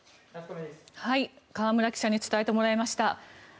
河村記者に伝えてもらいました。